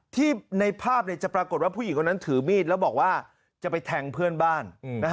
ที่ในภาพจะปรากฏว่าผู้หญิงคนนั้นถือมีดแล้วบอกว่าจะไปแทงเพื่อนบ้าน